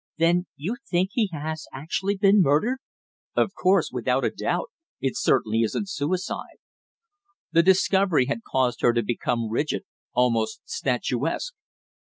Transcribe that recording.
"Then you think he has actually been murdered?" "Of course, without a doubt. It certainly isn't suicide." The discovery had caused her to become rigid, almost statuesque.